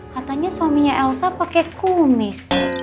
katanya suaminya elsa pakai kumis